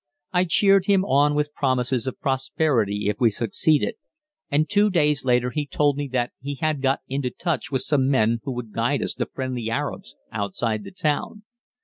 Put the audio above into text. I cheered him on with promises of prosperity if we succeeded, and two days later he told me that he had got into touch with some men who would guide us to friendly Arabs outside the town.